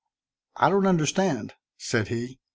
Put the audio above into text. "I don't understand," said he.